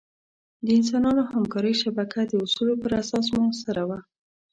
د انسانانو همکارۍ شبکه د اصولو پر اساس مؤثره وه.